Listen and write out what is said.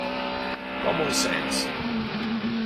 Common Sense